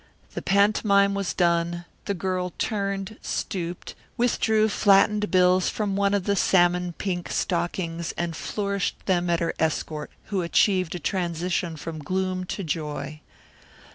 The pantomime was done, the girl turned, stooped, withdrew flattened bills from one of the salmon pink stockings and flourished them at her escort who achieved a transition from gloom to joy.